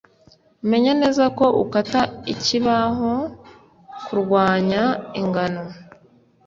Menya neza ko ukata ikibaho kurwanya ingano.